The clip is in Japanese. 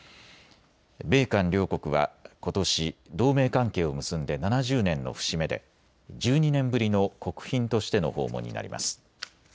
米韓両国はことし同盟関係を結んで７０年の節目で１２年ぶりの国賓としての訪問になります。